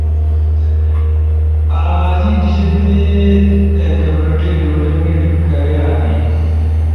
انی جیبے کمیونٹی ڈیولپمنٹ کھرے ہنی۔